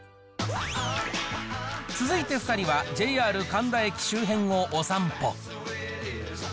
続いて２人は、ＪＲ神田駅周辺をお散歩。